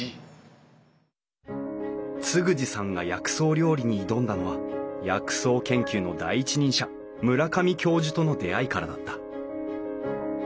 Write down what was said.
嗣二さんが薬草料理に挑んだのは薬草研究の第一人者村上教授との出会いからだった。